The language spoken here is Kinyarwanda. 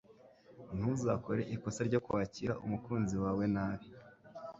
ntuzakore ikosa ryo kwakira umukunzi wawe nabi